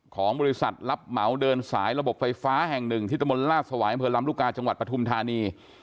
ของบริษัทรับเหมาเดินสายระบบไฟฟ้าแห่งหนึ่งที่ตะมนตลาสวายอำเภอลำลูกกาจังหวัดปฐุมธานี